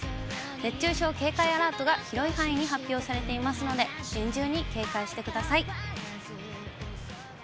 熱中症警戒アラートが広い範囲に発表されていますので、厳重に警戒してください。